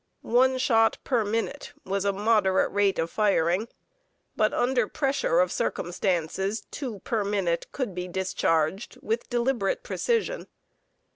One shot per minute was a moderate rate of firing, but under pressure of circumstances two per minute could be discharged with deliberate precision.